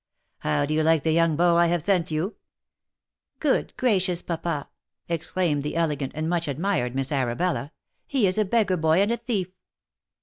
" How do you like the young beau I have sent you*?" " Good gracious, papa!" exclaimed the elegant and much ad mired Miss Arabella, " he is a beggar boy and a thief!"